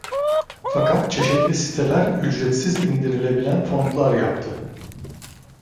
Fakat çeşitli siteler ücretsiz indirilebilen fontlar yaptı.